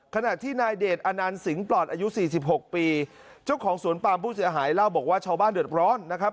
ขณะที่นายเดชอนันต์สิงหลอดอายุสี่สิบหกปีเจ้าของสวนปามผู้เสียหายเล่าบอกว่าชาวบ้านเดือดร้อนนะครับ